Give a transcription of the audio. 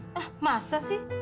eh masa sih